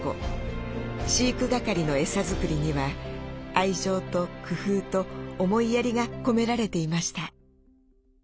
飼育係のエサ作りには愛情と工夫と思いやりが込められていました。